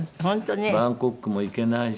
バンコクも行けないし。